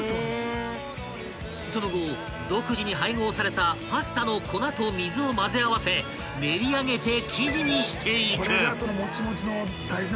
［その後独自に配合されたパスタの粉と水を混ぜ合わせ練り上げて生地にしていく］